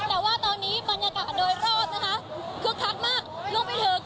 แต่ว่าตอนนี้บรรยากาศโดยรอดนะคะคึกคัดมาก